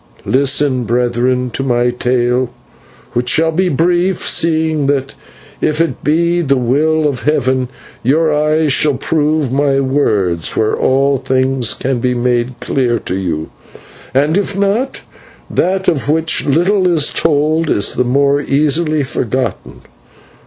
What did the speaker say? Listen, brethren, to my tale, which shall be brief, seeing that if it be the will of Heaven, your eyes shall prove my words where all things can be made clear to you, and if not, that of which little is told is the more easily forgotten.